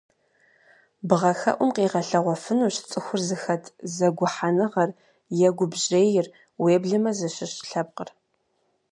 Бгъэхэӏум къигъэлъэгъуэфынущ цӏыхур зыхэт зэгухьэныгъэр е гупжьейр, уеблэмэ зыщыщ лъэпкъыр.